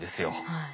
はい。